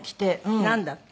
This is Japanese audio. なんだって？